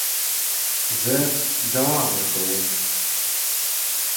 زه ځواب ورکوم